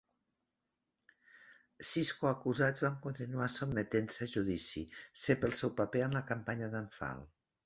Sis coacusats van continuar sotmetent-se a judici se pel seu paper en la campanya d'Anfal.